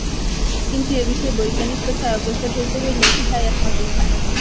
কিন্তু এ-বিষয়ে বৈজ্ঞানিক প্রথায় অগ্রসর হইতে হইলে ইহাই একমাত্র উপায়।